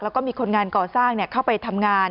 แล้วก็มีคนงานก่อสร้างเข้าไปทำงาน